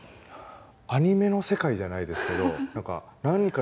アニメの世界じゃないですけど何か何かの物語の。